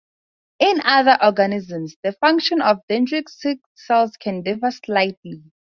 In other organisms, the function of dendritic cells can differ slightly.